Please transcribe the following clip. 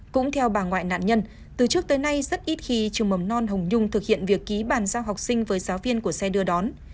cũng theo bà ngoại nạn nhân từ trước tới nay rất ít khi trường mầm non hồng nhung thực hiện việc ký bàn giao học sinh với giáo viên của xe đưa đón